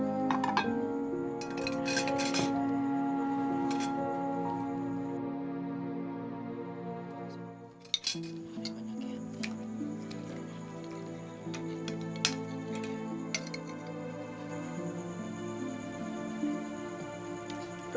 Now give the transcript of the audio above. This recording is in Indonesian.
aku udah jadi lebih bisa